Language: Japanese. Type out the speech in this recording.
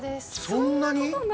そんなに？